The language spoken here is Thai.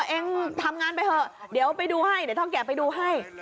เองทำงานไปเถอะเดี๋ยวไปดูให้เดี๋ยวเท่าแก่ไปดูให้